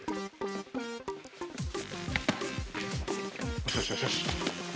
よしよしよし。